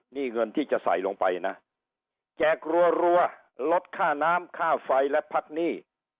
นี่เงินที่จะใส่ลงไปนะแจกรัวลดค่าน้ำค่าไฟและพักหนี้